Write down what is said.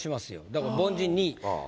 だから凡人２位。